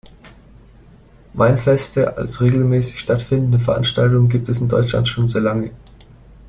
Weinfeste als regelmäßig stattfindende Veranstaltungen gibt es in Deutschland schon sehr lange.